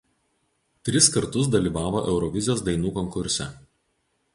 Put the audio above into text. Tris kartus dalyvavo Eurovizijos dainų konkurse.